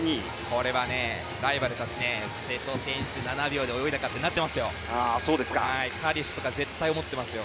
これはライバルたち瀬戸選手、７秒で泳いだかって泳いだかってなってますよ。